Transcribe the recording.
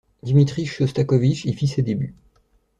Dmitri Chostakovitch y fit ses débuts.